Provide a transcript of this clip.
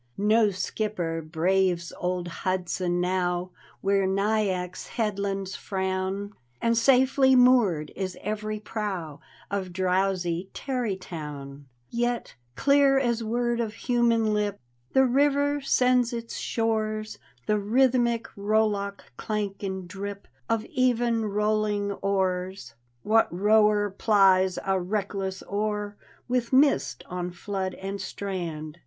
No skipper braves old Hudson now Where Nyack's Headlands frown, And safely moored is every prow Of drowsy Tarrytown; Yet, clear as word of human lip. The river sends its shores The rhythmic niUock cIank and drip Of even rolling oars. What rower plies a reckless oar With mist on flood and strand?